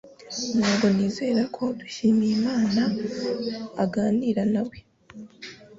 Ntabwo nizera ko Dushyimiyimana aganira nawe